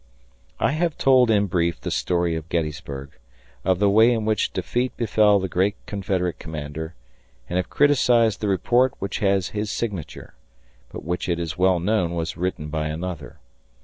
I have told in brief the story of Gettysburg, of the way in which defeat befell the great Confederate commander, and have criticised the report which has his signature, but which it is well known was written by another.